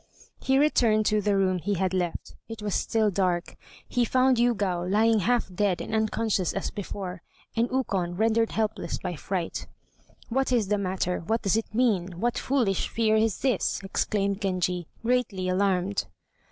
He returned to the room he had left; it was still dark. He found Yûgao lying half dead and unconscious as before, and Ukon rendered helpless by fright. "What is the matter? What does it mean? What foolish fear is this?" exclaimed Genji, greatly alarmed.